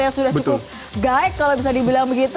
yang sudah cukup guy kalau bisa dibilang begitu